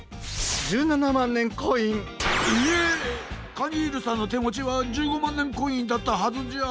カニールさんのてもちは１５まんねんコインだったはずじゃ。